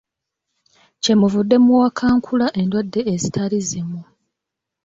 Kyemuvudde muwakankula endwadde ezitali zimu.